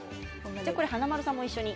華丸さんも一緒に。